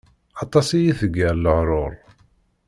Aṭas i yi-tgiḍ leɣruṛ.